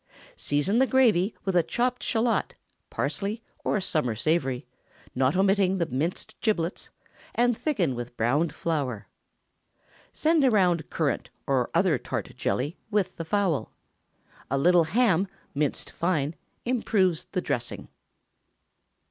Season the gravy with a chopped shallot, parsley, or summer savory, not omitting the minced giblets, and thicken with browned flour. Send around currant, or other tart jelly, with the fowl. A little ham, minced fine, improves the dressing.